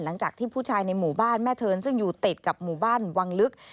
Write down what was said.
หลังจากที่ผู้ชายในหมู่บ้านแม่เทินซึ่งอยู่ติดกับหมู่บ้านวังลึก